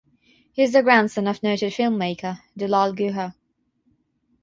He is the grandson of noted filmmaker Dulal Guha.